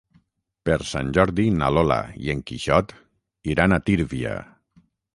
Per Sant Jordi na Lola i en Quixot iran a Tírvia.